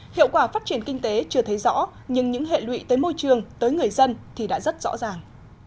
hiệu quả phát triển kinh tế chưa thấy rõ nhưng những hệ lụy tới môi trường tới người dân thì đã rất rõ ràng